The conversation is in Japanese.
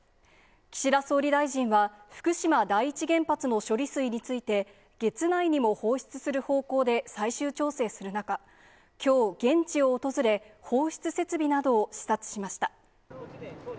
岸田総理大臣は、福島第一原発の処理水について、月内にも放出する方向で最終調整する中、きょう、現地を訪れ、放出設備などを視察しました。